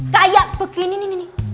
kayak begini nih